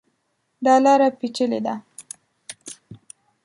دا لاره پېچلې ده.